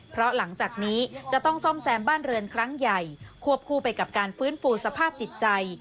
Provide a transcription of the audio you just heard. เพราะหลังจากนี้จะต้องซ่อมแซมบ้านเรือนครั้งใหญ่ควบคู่ไปกับการฟื้นฟูสภาพจิตใจ